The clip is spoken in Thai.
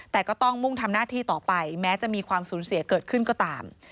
แต่ก็ต้องมุ่งทำหน้าที่ต่อไปแม้จะมีความสูญเสียเกิดขึ้นก็ตาม